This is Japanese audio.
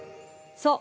そう。